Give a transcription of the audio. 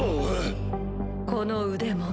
この腕も。